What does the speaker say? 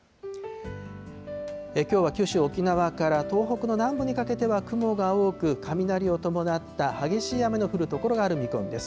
きょうは九州、沖縄から東北の南部にかけては雲が多く、雷を伴った激しい雨の降る所がある見込みです。